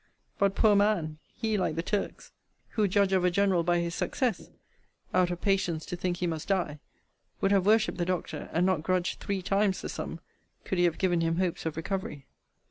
But, poor man! he, like the Turks, who judge of a general by his success, (out of patience to think he must die,) would have worshipped the doctor, and not grudged thee times the sum, could he have given him hopes of recovery.